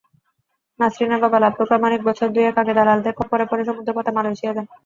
নাসরিনের বাবা লাভলু প্রামাণিক বছর দুয়েক আগে দালালদের খপ্পরে পড়ে সমুদ্রপথে মালয়েশিয়া যান।